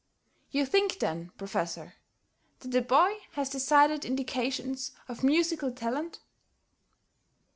"You think, then, Professor, that the boy has decided indications of musical talent?"